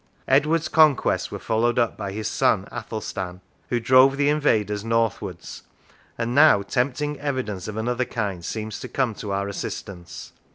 Edward's conquests were followed up by his son Athelstan, who drove the in vaders northwards, and now tempting evidence of another kind seems to come to our assistance.